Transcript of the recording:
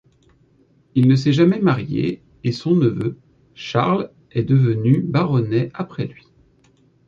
Il ne s'est jamais marié et son neveu, Charles est devenu baronnet après lui.